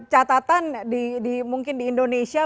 catatan mungkin di indonesia